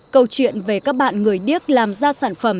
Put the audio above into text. câu chuyện về các bạn người điếc làm ra sản phẩm